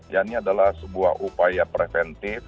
ya ini adalah sebuah upaya preventif